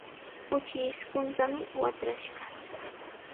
Kuchi isquntami watrashqa.